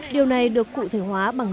điều này được cụ thể hoàn thành